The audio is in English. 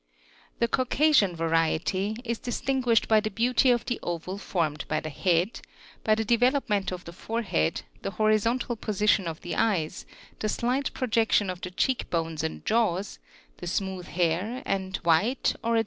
13. The CAUCASIAN VARIETY, (Plate \,fiy. !) is distinguished by the beauty of the oval formed by the head, by the develope ment of the forehead, the horizontal position of the eyes, the slight projection of the cheek bones and jaws, the smooth hair, and white, or at.